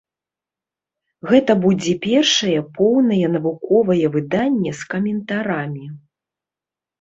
Гэта будзе першае поўнае навуковае выданне з каментарамі.